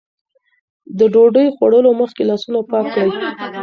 د ډوډۍ خوړلو مخکې لاسونه پاک کړئ.